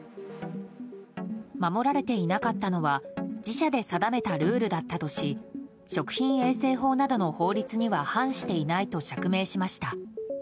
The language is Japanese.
守られていなかったのは自社で定めたルールだったとし食品衛生法などの法律には反していないと釈明しました。